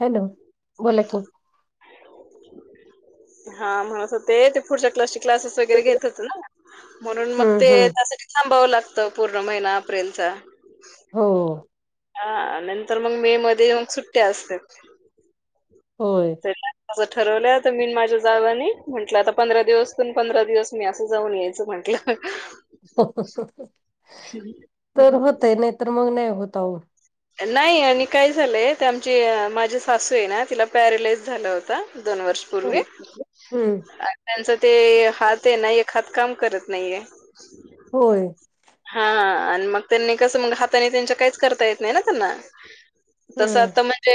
Hello, बोला की, hello, हा, म्हणत होते ते पुढच्या क्लासची क्लासेस वगैरे घेत होते ना. म्हणून मग ते हम्म हम्म त्यासाठी थांबावं लागतं पूर्ण महिना अप्रिलचा. हो, हा, नंतर मग मे मध्ये मग सुट्टी असते. होय. ठरवलं मी माझ्या जावाणी म्हटलं आता पंधरा दिवसून पंधरा दिवस ''मी जाऊन यायचं म्हंटलं. तर होतय नाही तर मग नाही होतवो. नाही आणि काय झालंय ते आमची माझी सासू आहे ना तिला पॅरेलाइज झाला होता दोन वर्ष. पूर्वी हम्म त्यांच ते हात आहे ना एक हात काम करत नाहीय होय. हा, आणि मग त्यांनी कसं म हाताने त्यांच्या काहीच करता येत नाही ना त्यांना. तसं हम्म आता म्हणजे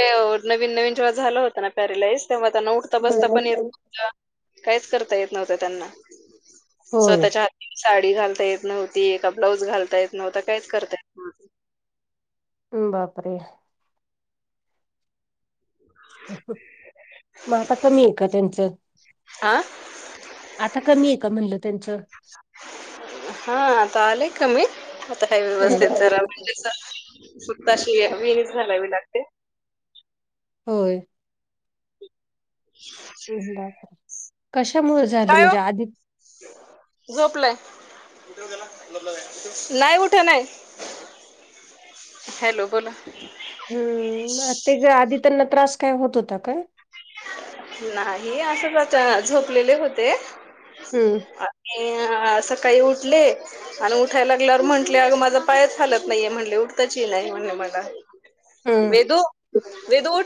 नवीन नवीन जेव्हा झालं होत ना पॅरिलाइज तेव्हा त्यांना उठ ''--'' त बसता पण येतनव्हत काहीच करता येत नव्हत त्यांना होय स्वतःच्या हात. साडी घालता येत नव्हती एका ब्लाऊज घालता येत नव्हता काहीच करता. येत ''हं'' बापरे. मग आता कमी आहे का त्यांचं. आ, आता कमी आहे का म्हणलं त्यांचं. हा, आता आलेय कमी हे व्यवस्थित जरा हम्म. सुताशी विहिणीच घलावी लागते. होय. बर कशामुळे झालं काय ओ म्हणजे आधी. झोपलाय. नाही उठ नाही. हॅलो बोला, हम्म, ते आधी त्यांना त्रास काय होत होता काहय. नाही असं कसं झोपलेले होते. हम्म, आणि सकाळी उठले. आणि उठायला लागल्यावर म्हटले अगं माझं पायच हालत नाहीये म्हणले उठताच नाही म्हणले मला. हम्म वेदू वेदु उठ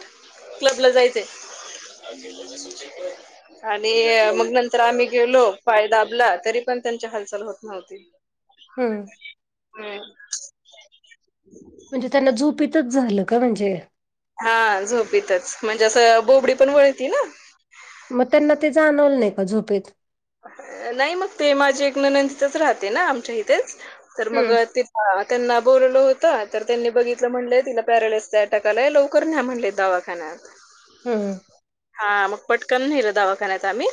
क्लब ला जायचंय. अगे [inaudible] ल सुूच क मग नंतर आम्ही गेलो पाय दाबला तरी पण त्यांची हालचाल होत नव्हती. हम्म हम, म्हणजे त्यांना झोपतच झालं का म्हणजे. हा, झोपतच म्हणजे असं बोबडी पण वळती ना. मग त्यांना ते जाणवलं नाही का झोपेत. नई मग ते माझी एक ननंद तीथंच राहते ना आमच्या हितेच तर मग हम्म ते हा त्यांना बोललं होत तर त्यांनी बघितलं म्हटलंय तिला पॅरालाइजचा अटॅक आलाय लवकर न्या ह्या म्हणले दवाखान्यात. हम्. हा मग पटकन न्हेलं दवाखान्यात आम्ही.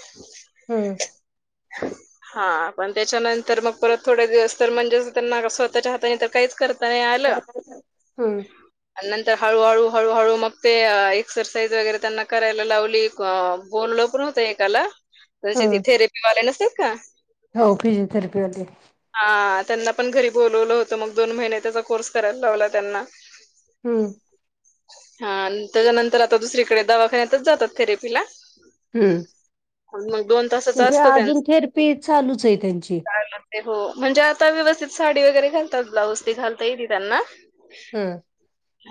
हम्म. हा हा पण त्याच्यानंतर मग परत थोडे दिवस तर म्हणजेच त्यांना स्वतःच्या हाताने तर काईच करत् तयालं. हम्म. अन् नंतर हळूहळू हळूहळू मग ते एक्सरसाईज वगैरे त्यांना करायला लावली. आं बोललो पण होतं एकाला म्हजे ते हम्म. थेरेपी वाल्यालाच बर का. हो फिजिओथेरपी वाले. हा त्यांना पण घरी बोलवलं होतं मग दोन महिने त्याचा कोर्स करायल लावला त्यांना. हम्म. हा अन् त्याच्यानंतर आता दुसरीकडे दवाखान्यातच जातात थेरेपीला. हम्म. अन् मग दोन तासाचा म्हणजे अस् अजून थेरपी चालूचे त्यांची. काय म्हणते हो म्हणजे आता व्यवस्थित साडी वगैरे घालतात ब्लाऊज ते घालता येती त्यांना. हं.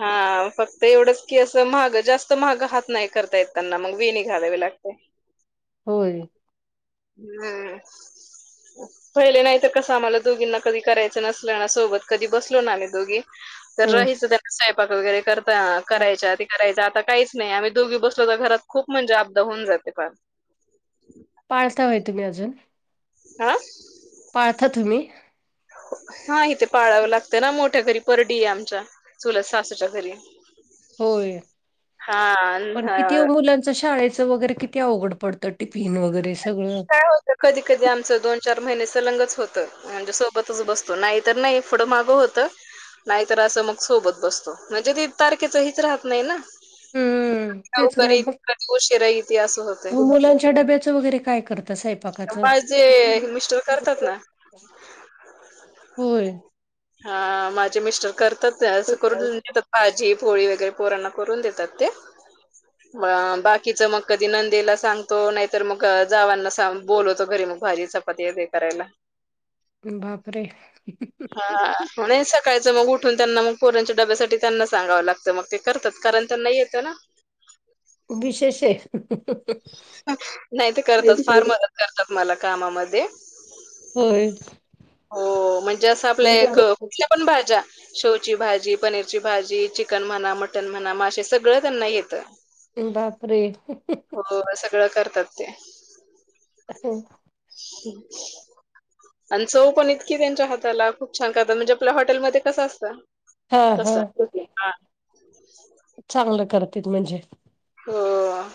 हा फक्त एवढंच की असं माहग जास्त माहग हात नाय करता येत त्यांना मग वेणी घालावी लागते. होय. हम्. पईले नाय त कसं आम्हाला दोघींना कधी करायचं नसल ना सोबत कधी बसलो ना आम्ही दोघी. तर हं. रहाचं त्यांना स्वयपाक वगैरे करता करायच्या आधी. करायच आता काईच नाई आमी दोघी बसलो त घरात खूप म्हणजे अबदा होऊन जाते पार. पाळता व्हय तुम्ही अजून. आं. पाळता तुम्ही? हा हिथे पाळावं लागतं ना मोठ्या घरी परडी आमच्या चुलत सासुच्या घरी. होय पण हा कितीव मुलांच शाळेचं वगैरे कित् -ती अवघड पडतं टिफिन वगैरे सगळं. काय होत कधी कधी आमचं दोन चार महीने सलंगच होतं. म्हणजे सोबतच बसतो नाई तर नाई फुडं मागं होतं. नाईतर असं मग सोबत बसतो म्हणजे तीत तारखेच हेच राहत नाई ना. कधी हम्म. तेच लवकर ना मग येती कधी उशिरा येती असं होतंय. मुलांच्या डब्याचं वगैरे काय करता सैपाका माझे मिस्टर करतात ना. होय. हा माझे मिस्टर करता त्या असं करून देत् भाजी पोळी वगैरे पोरांना करून देतात ते. अं बाकीच मग कधी नंदेला सांगतो नाईतर मग क जावांना सां बोलवतो घरी मग भाजी चपाती वगेरे करायला. बापरे. म्हणुन सकाळचं मग उठून त्यांना मग पोरांच्या डब्यासाठी त्यांना सांगावं लागतं मग ते करतात कारण त्यांना येतं ना. विशेष हे. [inaudible] नाही ते करतात, फार मदत करतात मला कामामध्ये. होय! हो म्हणजे असं आपले एक बापरे कुठल्या पण भाज्या. शेवची भाजी, पनीरची भाजी, चिकन म्हणा मटण म्हणा मासे सगळं त्यांना येतं. बापरे! हो सगळं करतात ते. [inaudible] [inaudible] आणि चव पण इतकी त्यांच्या हाताला खूप छान करतात, म्हणजे आपल हॉटेलमध्ये कसं असतं. हा हा तसं. हा चांगलं करतीत म्हणजे. हो आ!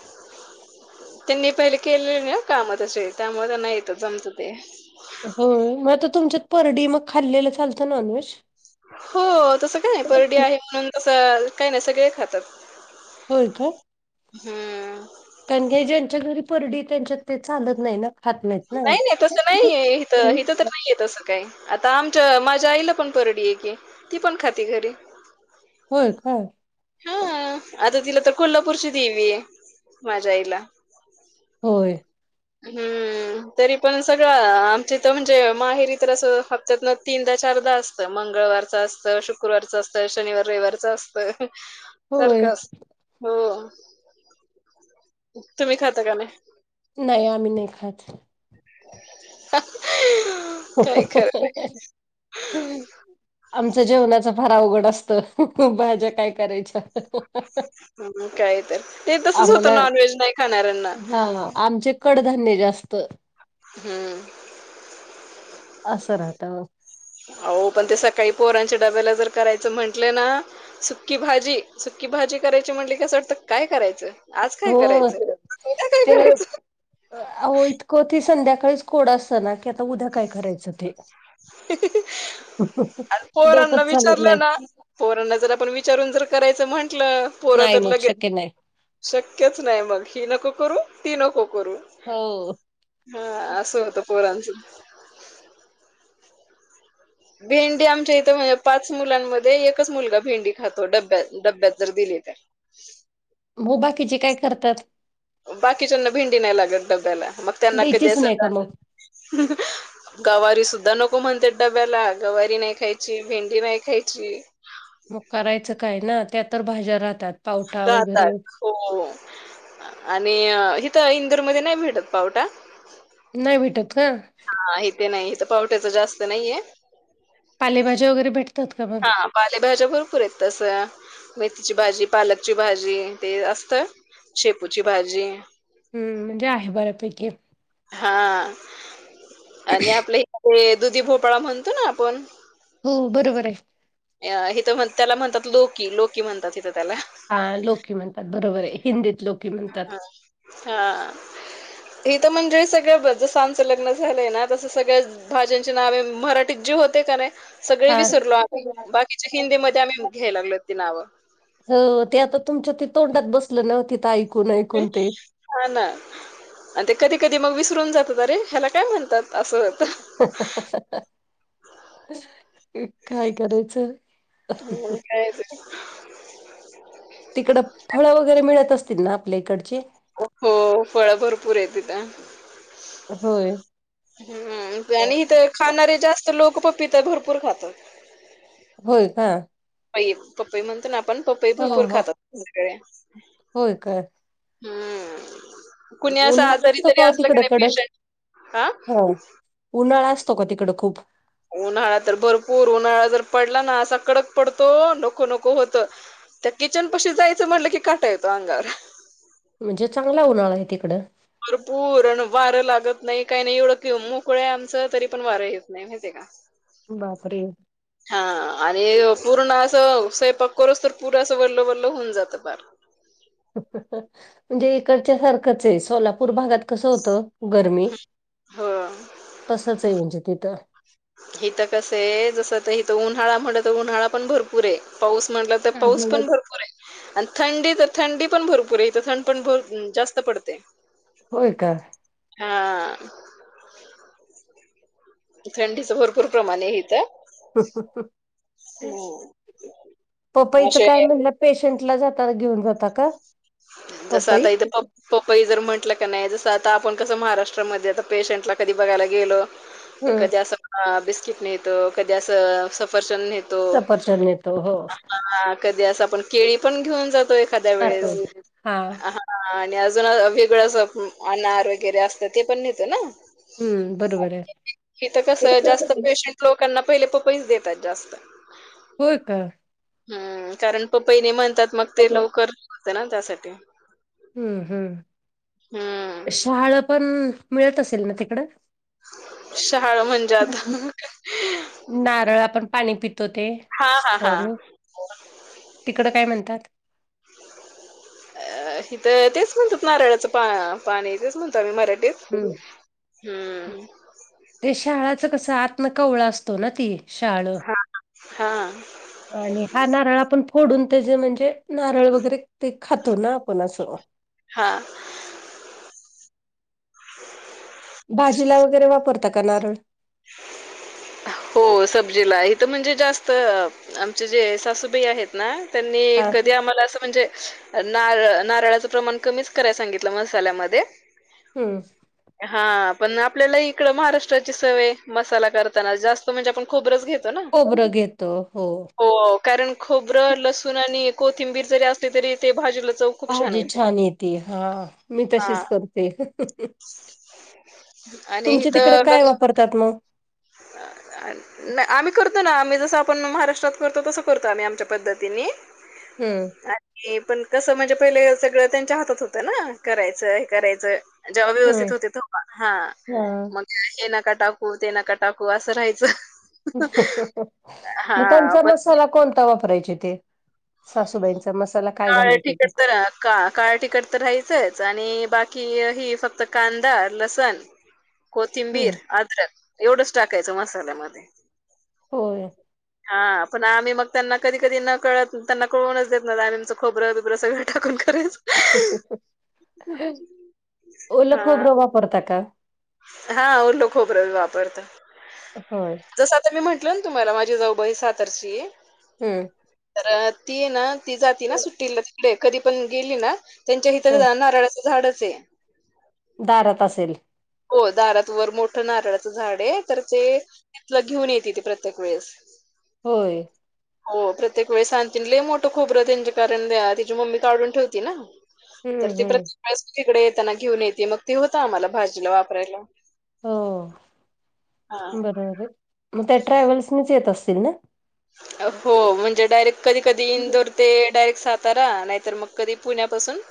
त्यांनी पहिले केलेले ना काम तसे, त्यामुळे त्यांना येत जमतं ते. होय म आता तुमच्यात परडी मग खाल्लेलं चालतं नॉनव्हेज? हो तसं काय नाही, परडी आहे म्हणून तसं काय नाही सगळे खातात. होय का? हू! कारण काय ज्यांच्या घरी परडी त्यांच्यात ते चालत नाही ना. खात नाहीत ना नाही नाही तसं नाहीय हीथं हीथं तर नाहीय तसं. काय आता आमच्या माझ्या आईला पण परडी हे की, ती पण खाती घरी. होय काय! हा आता तिला तर कोल्हापूरची देवी आहे माझ्या आईला. होय! हू! तरी पण सगळं आमच्यां इथं म्हणजे माहेरी तर असं हप्त्यात न तीनदा चारदा असं त मंगळवारच असत, शुकुरवारच असत, शनिवार रविवारच असत. होय सारखं असं हो तुम्ही खाता का नाही? नाही आम्ही नही खात. [unintelligible] खरं [unintelligible] आमचं जेवणाचं फार अवघड असतं भाज्या काय करायच्या. हू काय तर ते तसच होतं आम्हाला नॉनव्हेज नाही खाणाऱ्यांना. हा आमचे कडधान्य जास्त. हूं! असं राहतं. आहो पण ते सकाळी पोरांच्या डब्याला जर करायचं म्हंटलं ना. सुक्की भाजी, सुक्की भाजी करायची म्हणली का आसं वाटतं काय करायचं. आज काय हो करायचं, उदया काय करायचं. को ती संध्याकाळीच कोड असतं ना की आता उद्या काय करायचं ते. आण पोरांना डोकंच चालत विचारलं ना! नाही पोरांना जर आपण विचारून जर करायचं म्हंटलं, पोरं नाही तर मग लगेच. शक्य नाही शक्यच नाही मग, ही नको करू, ती नको करू. हो! हा असं होत पोरांचं [inaudible] भेंडी आमच्या इथे म्हणजे पाच मुलांमध्ये एकच मुलगा भेंडी खातो डब्यात, डब्यात जर दिली तर. बो, बाकीची काय करतात? बाकीच्यांना भेंडी नाही लागत डब्याला, मग त्यांना कधी द्यायचीच अस नाही का मग गवारी सुद्धा नको म्हणते डब्याला, गवारी नाही खायची, भेंडी नाही खायची. मग करायचं काय न? त्या तर भाज्या राहतात. पावटा वगैरे राहतात हो आणि इथ इंदूरमध्ये नाही भेटत पावटा. नाही भेटत का? हा इथे नाही इथ पावट्याचं जास्त नाहीये. पालेभाज्या वगैरे भेटतात का मग? हा पालेभाज्या भरपूर आहेत तस. मेथीची भाजी, पालकची भाजी ते असतं शेपूची भाजी. हम्म म्हणजे आहे बऱ्यापैकी. हा आणि आपलं इकडे दुधी भोपळा म्हणतो ना आपण. हो बरोबर आहे. अ हिथं म्हण त्याला म्हणतात लोकी, लोकी म्हणतात हिथं त्याला. हा लोकी म्हणतात बरोबर आहे, हिंदीत लोकी म्हणतात. हा इथ म्हणजे सगळं ब जस आमचं लग्न झालंय ना तसं सगळंच भाज्यांची नावे मराठी जी होती का नाही सगळे हा विसरलो आ बाकीचे हिंदीमध्ये आम्ही घ्याय लागलो ती नावं. हो ते आता तुमच्या ते तोंडात बसलं नव्ह तिथ ऐकून ऐकून ते. हा ना अन ते कधी कधी मग विसरून जातात अरे ह्याला काय म्हणतात असं. [inaudible] काय करायचं? हम्म, काय ते. तिकडं फळं वगैरे मिळत असतील ना आपल्या इकडचे? हो, फळ भरपूर आहेत इथ. होय हम्म आणि इथं खाणारे जास्त लोक पपीत भरपूर खातात. होय का ई पपई म्हणतो ना आपण पपई हो भरपूर हो खातात सगळ्या. होय काय हम्म कुणी असं उन्हाळा आजारी असतो तरी हो असलं का तिकडं नाही कडक? पेशंट, आ हो उन्हाळा असतो का तिकडं खूप? उन्हाळा तर भरपूर उन्हाळा जर पडला ना असा कडक पडतो, नको नको होत. त्या किचन पाशी जायचं म्हटलं, की काटा येतो अंगावर. म्हणजे चांगला उन्हाळा आहे तिकडं. भरपूर अन वारं लागत नाही काही नाही एवढं कि मोकळे आमचं, तरी पण वारं येत नाही. नाही, माहती का? बापरे! हा आणि पूर्ण असं स्वयंपाक करोस्तर पुर असं वल्लवल्ल होऊन जातं पार. म्हणजे इकडच्या सारखंच आहे, सोलापूर भागात कसं होतं? गरमी, हो तसच आहे म्हणजे तिथ. हिथं कसं आहे जस इथ उन्हाळा म्हटलं तर उन्हाळा पण भरपूर आहे, पाऊस म्हटलं तर त पाऊस हा. पण भरपूर आहे. आणि थंडी तर थंडी पण भरपूर आहे, इथ थंड पण जास्त पडते. होय का? हा. थंडीच भरपूर प्रमाण आहे इथ. पपईचं असे काय म्हणलं. पेशंट ला जाताना घेऊन जाता का. जसं पपई आता इथ पपई जर म्हटलं का नाही, जसं आता आपण कसं महाराष्ट्रामध्ये आता पेशंटला कधी बघायला गेलो. तर हम्म कधी असं बिस्किट नेतो, कधी असं सफरचंद नेतो. सफरचंद नेतो. हा कधी असा आपण केळी पण घेऊन जातो. एक हा [unintelligible] आणि अजून वेगळं अस अनार वगैरे असत. ते पण नेतो ना? हम्म बरोबर आहे तिथं कसं जास्त पेशंट लोकांना पहिले पपई देतात जास्त होय का? हम्म कारण पपई म्हणतात मग ते लवकर होते ना त्यासाठी. हम्म हम्म हम्म शहाळ पण मिळत असेल ना तिकडं? शहाळ म्हणजे आता नारळ आपण पाणी पितो ते हा हा हा स्ट्रॉनी तिकड काय म्हणतात. [unintelligible] अ हिथं तेच म्हणतात, नारळाच पा पाणी तेच म्हणतो आम्ही मराठीत. हम्म हम्म शहाळ कसं आतन कवळ असतो ना ती शहा हा. आणि हा नारळ आपण फोडून त्याचेे म्हणजे नारळ वगैरे ते खातो ना आपण असं. हा भाजीला वगैरे वापरता का? नारळ. [unintelligible] हो सब्जीला इथ म्हणजे जास्त आमचे जे सासूबाई आहेत. ना त्यांनी कधी हा आम्हाला असं म्हणजे नारळ नारळाचं प्रमाण कमीच कराय सांगितलं, मसाल्यामध्ये हम्म हा पण आपल्याला इकड महाराष्ट्राची सवय मसाला करताना जास्त म्हणजे आपण खोबरच घेतो ना! खोबरं घेतो हो. हो कारण खोबरं, लसूण आणि कोथिंबीर जरी असले तरी ते भाजीला चव भाजी छान येते, हा मी तशीच हां करते. आणि तुमच्या तिकडे इथं काय कसं वापरतात मग? [unintelligible] नाही आम्ही करतो ना, आम्ही जसं आपण महाराष्ट्रात करतो तसं करतो, आम्ही आमच्या पद्धतीने हम आणि पण कसं म्हणजे, पहिले सगळं त्यांच्या हातात होत ना करायचं हे करायचं जेव्हा व्यवस्थित हम्म होते. तेव्हा हा मग हे ना का टाकू ते नका टाकू असं राहायचं. मग हां त्यांचा पण मसाला कोणता वापरायचे ते? सासूबाईचा मसाला काय काळ घालात होते? तिखट तर का काळ तिखट राहायचंच आणि बाकी ही कांदा, लसण हम्म कोथिंबीर, आद्रक एवढंच टाकायचं मसाल्यामध्ये होय हा पण आम्ही मग त्यांना कधी कधी न कळत त्यांना कळूनच देत नव्हतो आमचं खोबरं बीबर सगळं टाकून करायचो. ओलं हा खोबरं वापरता का हा ओलं खोबरं वापरतो. हा जसं आता मी म्हटलं! ना तुम्हाला माझी जाऊबाई सातार ची आहे. हमं तर ती ना ती जाती ना सुट्टीला तिकडे कधी पण गेली ना? त्यांच्या हितं हम्म जा नारळाचं झाडच आहे. दारात असेल. हो दारात वर मोठं नारळाचं झाड आहे तर ते, तिथलं घेऊन येति ती प्रत्येक वेळेस. होय हो प्रत्येक वेळी आणती लय मोठं खोबरं त्यांच्या कारण तिची मम्मी काढून ठेवती ना, हम्म तर ती हम्म प्रत्येक वेळेस तिकडे येताना घेऊन येते मग त होत आम्हाला भाजीला वापरायला. हो हा बरोबर आहे मग त्या ट्रॅव्हल्सनीच येत असतील न हो म्हणजे डायरेक्ट कधी कधी इंदोर- ते डायरेक्ट सातारा नाहीतर मग कधी पुण्यापासून,